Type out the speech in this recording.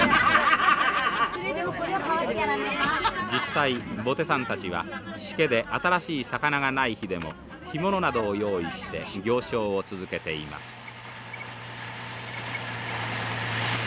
実際ボテさんたちはしけで新しい魚がない日でも干物などを用意して行商を続けています。